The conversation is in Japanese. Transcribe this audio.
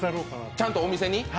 ちゃんとお店に？